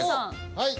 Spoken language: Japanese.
はい。